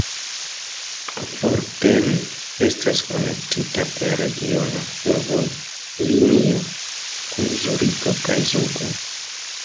Affoltern estas konektita per regiona fervojlinio kun Zuriko kaj Zugo.